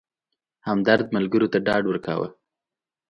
همدرد ملګرو ته ډاډ ورکاوه.